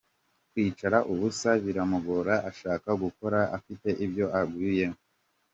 Kwicara ubusa biramugora abashaka guhora afite ibyo ahugiyemo.